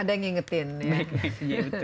ada yang mengingatkan